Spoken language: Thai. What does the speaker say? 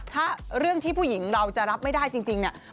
ถ้าเรื่องที่ผู้หญิงเราจะรับไม่ได้จริงเนี่ย